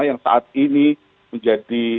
yang saat ini menjadi